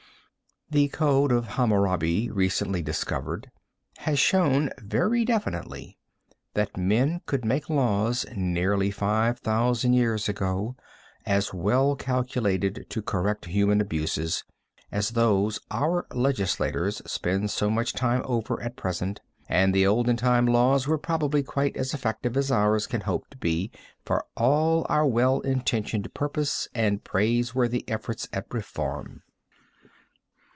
The Code of Hammurabi, recently discovered, has shown very definitely, that men could make laws nearly five thousand years ago as well calculated to correct human abuses as those our legislators spend so much time over at present, and the olden time laws were probably quite as effective as ours can hope to be, for all our well intentioned purpose and praiseworthy efforts at reform.